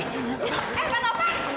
eh pak taufan